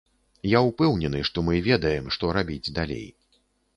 Я ўпэўнены, што мы ведаем, што рабіць далей.